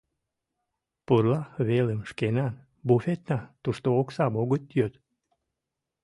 Пурла велым шкенан буфетна, тушто оксам огыт йод...